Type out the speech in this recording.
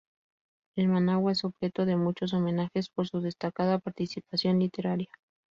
En Managua es objeto de muchos homenajes por su destacada participación literaria.